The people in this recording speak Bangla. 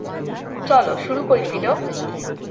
চলো শুরু করি, ফিডো।